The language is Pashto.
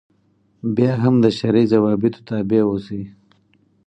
بیا هم د شرعي ضوابطو تابع اوسي.